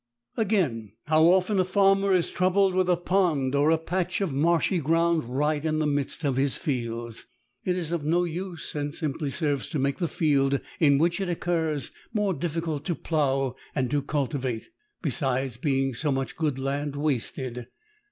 Again, how often a farmer is troubled with a pond or a patch of marshy ground right in the midst of his fields. It is of no use, and simply serves to make the field in which it occurs more difficult to plough and to cultivate besides being so much good land wasted.